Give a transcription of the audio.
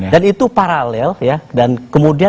dan itu paralel ya